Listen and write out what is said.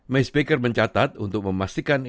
miss baker mencatat untuk memastikan